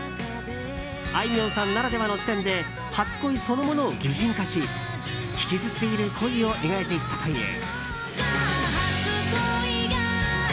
あいみょんさんならではの視点で初恋そのものを擬人化し引きずっている恋を描いていったという。